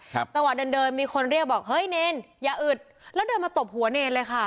จังหวะเดินเดินมีคนเรียกบอกเฮ้ยเนรอย่าอึดแล้วเดินมาตบหัวเนรเลยค่ะ